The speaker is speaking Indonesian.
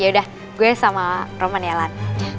yaudah gue sama roman ya lan